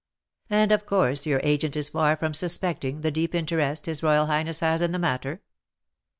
"And, of course, your agent is far from suspecting the deep interest his royal highness has in the matter?"